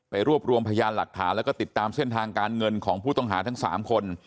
รวบรวมพยานหลักฐานแล้วก็ติดตามเส้นทางการเงินของผู้ต้องหาทั้ง๓คน